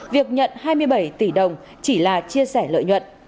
việc nhận hai mươi bảy tỷ đồng chỉ là chia sẻ lợi nhuận